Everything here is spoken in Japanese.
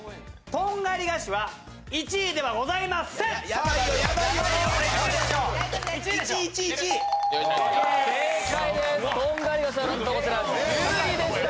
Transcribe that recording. トンガリ菓子はなんとこちら、１０位でした。